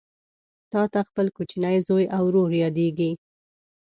تاته خپل کوچنی زوی او ورور یادیږي